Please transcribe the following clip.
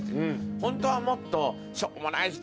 ホントはもっとしょうもない人